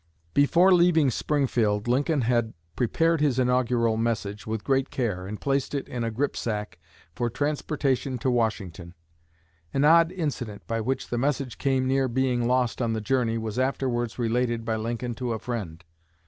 Before leaving Springfield Lincoln had prepared his inaugural message with great care, and placed it in a "gripsack" for transportation to Washington. An odd incident, by which the message came near being lost on the journey, was afterwards related by Lincoln to a friend.